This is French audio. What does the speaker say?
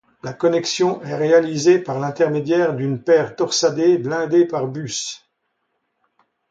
La connexion est réalisée par l'intermédiaire d'une paire torsadée blindée par bus.